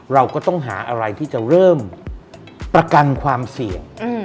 เราก็ต้องหาอะไรที่จะเริ่มประกันความเสี่ยง